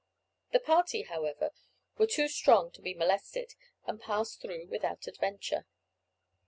The party, however, were too strong to be molested, and passed through without adventure.